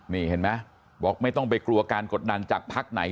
นี่เห็นไหมบอกไม่ต้องไปกลัวการกดดันจากพักไหน